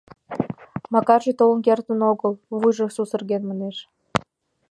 — Макарже толын кертын огыл, вуйжо сусырген, манеш.